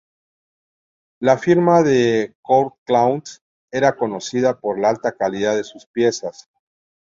La firma de Courtauld era conocida por la alta calidad de sus piezas.